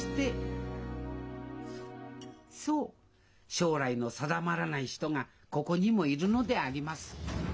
将来の定まらない人がここにもいるのでありますえ